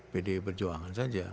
bdi perjuangan saja